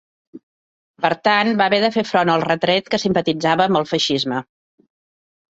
Per tant, va haver de fer front al retret que simpatitzava amb el feixisme.